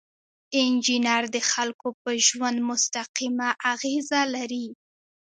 انجینر د خلکو په ژوند مستقیمه اغیزه لري.